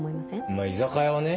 まぁ居酒屋はね。